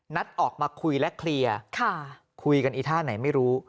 นัดออกมาคุยและเคลียร์คุยกันอีท่าไหนไม่รู้